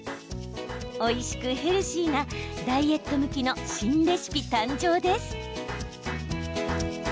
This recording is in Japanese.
おいしくヘルシーなダイエット向きの新レシピ誕生です。